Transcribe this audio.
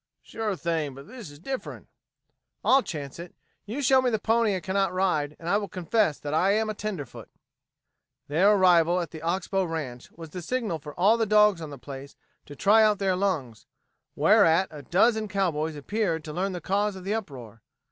"Sure thing, but this is different." "I'll chance it. You show me the pony I cannot ride, and I will confess that I am a tenderfoot." Their arrival at the Ox Bow ranch was the signal for all the dogs on the place to try out their lungs, whereat a dozen cowboys appeared to learn the cause of the uproar.